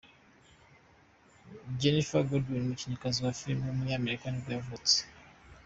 Ginnifer Goodwin, umukinnyikazi wa filime w’umunyamerika ni bwo yavutse.